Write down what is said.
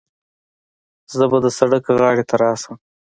زه به د سړک غاړې ته راسم.